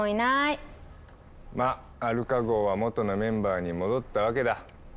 まっアルカ号は元のメンバーに戻ったわけだ。